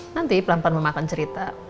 nanti pelan pelan memakan cerita